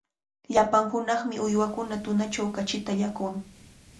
Llapan hunaqmi uywakuna tunachaw kachita llaqwan.